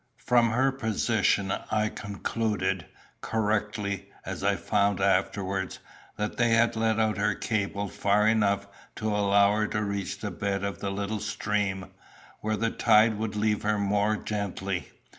From her position I concluded correctly as I found afterwards that they had let out her cable far enough to allow her to reach the bed of the little stream, where the tide would leave her more gently.